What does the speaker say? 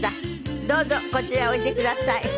どうぞこちらへおいでください。